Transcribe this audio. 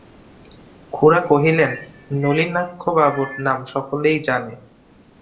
খুড়া কহিলেন, নলিনাক্ষবাবুর নাম সকলেই জানে।